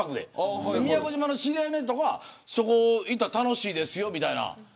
宮古島の知り合いの人がそこに行ったら楽しいですよみたいな。